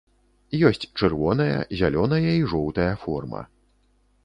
Ёсць чырвоная, зялёная і жоўтая форма.